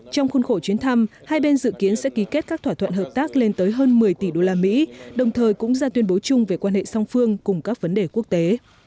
trong khuôn khổ chuyến thăm hai bên dự kiến sẽ ký kết các thỏa thuận hợp tác lên tới hơn một mươi tỷ usd đồng thời cũng ra tuyên bố chung về quan hệ song phương cùng các vấn đề quốc tế